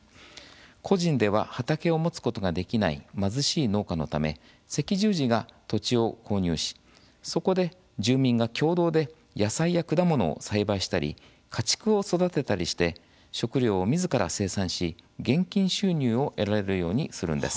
個人では畑を持つことができない貧しい農家のため赤十字が土地を購入しそこで住民が共同で野菜や果物を栽培したり、家畜を育てたりして食料をみずから生産し現金収入を得られるようにするんです。